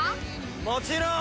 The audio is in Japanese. もちろん！